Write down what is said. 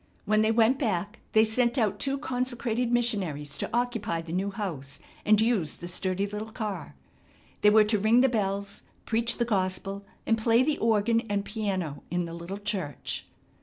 When they went back they sent out two consecrated missionaries to occupy the new house and use the sturdy little car. They were to ring the bells, preach the gospel and play the organ and piano in the little church.